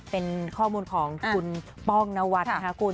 เป็นข้อมูลของคุณป้องนวัดนะคะคุณ